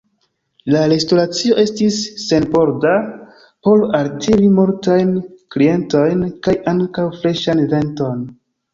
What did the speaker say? La restoracio estis senporda, por altiri multajn klientojn kaj ankaŭ freŝan venton.